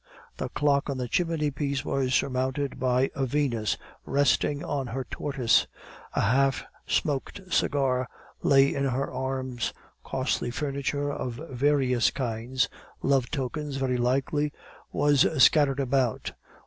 The clock on the chimney piece was surmounted by a Venus resting on her tortoise; a half smoked cigar lay in her arms. Costly furniture of various kinds love tokens, very likely was scattered about.